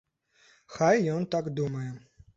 Хай ён так думае.